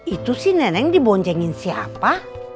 itu sih nenek dibonjengin siapa